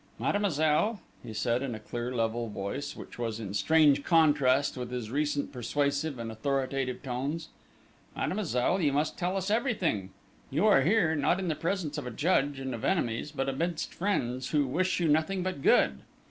"Mademoiselle," he said, in a clear level voice, which was in strange contrast with his recent persuasive and authoritative tones. "Mademoiselle, you must tell us everything!... You are here, not in the presence of a judge, and of enemies, but amidst friends who wish you nothing but good....